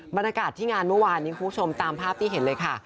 บรรยากาศที่งานเมื่อวานนี้คุณผู้ชมตามภาพที่เห็นเลยค่ะ